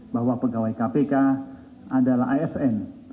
bahwa pegawai kpk adalah asn